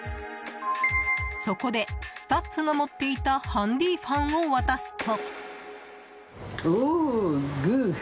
そこでスタッフが持っていたハンディーファンを渡すと。